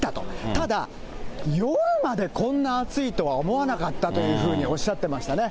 ただ、夜までこんな暑いとは思わなかったというふうにおっしゃってましたね。